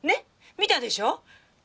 見たでしょ？